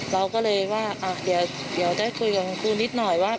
เราก็เลยว่าเดี๋ยวได้คุยกับคุณครูนิดหน่อยว่า